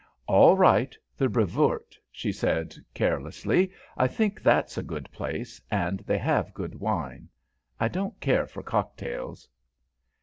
"All right, the Brevoort," she said carelessly. "I think that's a good place, and they have good wine. I don't care for cocktails."